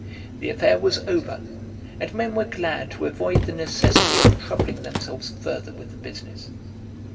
The affair was over, and men were glad to avoid the necessity of troubling themselves further with the business.